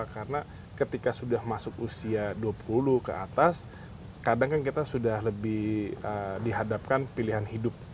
karena ketika sudah masuk usia dua puluh ke atas kadang kan kita sudah lebih dihadapkan pilihan hidup